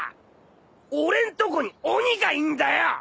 俺んとこに鬼がいんだよ！